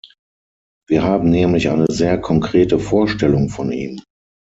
Wir haben nämlich eine sehr konkrete Vorstellung von ihm.